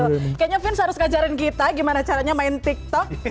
kayaknya vince harus ngajarin kita gimana caranya main tiktok